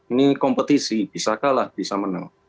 ini kompetisi bisa kalah bisa menang